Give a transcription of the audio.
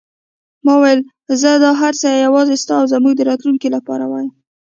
ما وویل: زه دا هر څه یوازې ستا او زموږ د راتلونکې لپاره وایم.